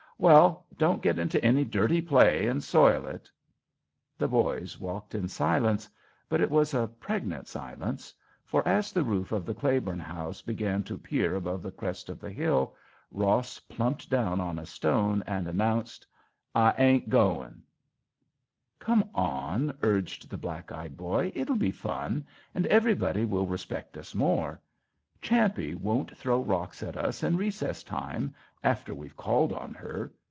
"Well—don't get into any dirty play and soil it." The boys walked in silence—but it was a pregnant silence; for as the roof of the Claiborne house began to peer above the crest of the hill, Ross plumped down on a stone and announced, "I ain't goin'." "Come on," urged the black eyed boy. "It'll be fun—and everybody will respect us more. Champe won't throw rocks at us in recess time, after we've called on her.